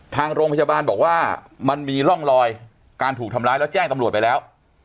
ทางโรงพยาบาลบอกว่ามันมีร่องรอยการถูกทำร้ายแล้วแจ้งตำรวจไปแล้ว